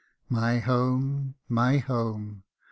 My home ! my home !